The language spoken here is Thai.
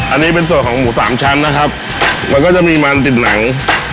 อันนี้เป็นส่วนของหมูสามชั้นนะครับมันก็จะมีมันติดหนัง